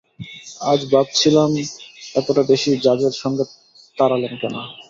আজ ভাবছিলেম, এতটা বেশি ঝাঁজের সঙ্গে তাড়ালেম কেন।